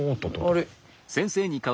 あれ？